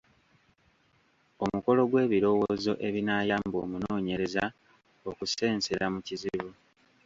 Omukolo gw’ebirowoozo ebinaayamba omunoonyereza okusensera mu kizibu.